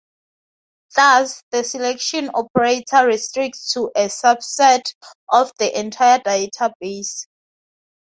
Thus, the selection operator restricts to a subset of the entire database.